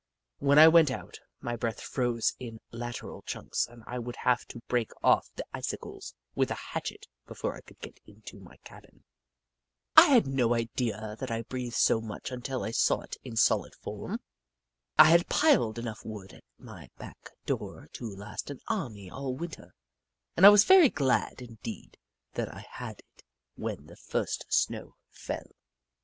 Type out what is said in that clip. When I went out, my breath froze in lateral chunks and I would have to break off the icicles with a hatchet before I could get into my cabin. I had no idea that I breathed so much until I saw it in solid form. I had piled enough wood at my back door to last an army all Winter, and I was very glad indeed that I had it when the first snow fell.